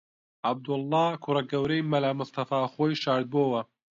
عوبەیدوڵڵا، کوڕە گەورەی مەلا مستەفا خۆی شاردبۆوە